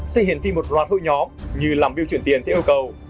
sẽ hiển thị một loạt hội nhóm như làm biêu chuyển tiền theo yêu cầu